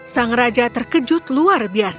sang raja terkejut luar biasa